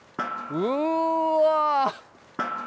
うわ！